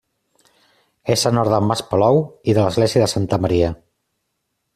És al nord del Mas Palou i de l'església de Santa Maria.